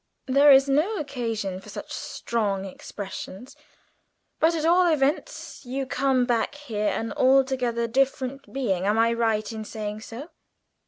"There is no occasion for such strong expressions. But, at all events, you come back here an altogether different being. Am I right in saying so?"